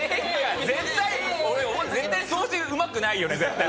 絶対絶対掃除うまくないよね絶対。